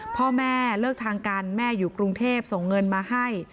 พ่อแม่เลิกทางกันแม่อยู่กรุงเทพส่งเงินมาให้